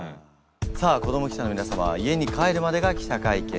さあ子ども記者の皆様は家に帰るまでが記者会見です。